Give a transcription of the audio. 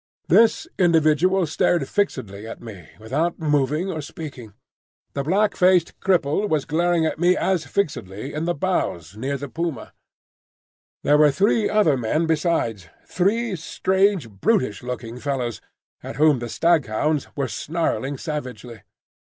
This individual stared fixedly at me without moving or speaking. The black faced cripple was glaring at me as fixedly in the bows near the puma. There were three other men besides,—three strange brutish looking fellows, at whom the staghounds were snarling savagely.